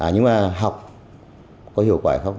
nhưng mà học có hiệu quả không